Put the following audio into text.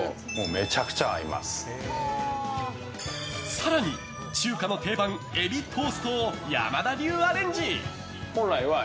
更に、中華の定番エビトーストを山田流アレンジ。